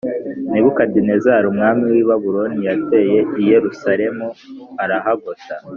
Nebukadinezari umwami w’i Babuloni yateye i Yerusalemu arahagota